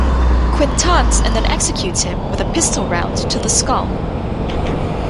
Quinn taunts and then executes him with a pistol round to the skull.